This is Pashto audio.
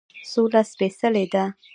سوله سپیڅلې ده